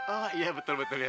oh iya betul betul ya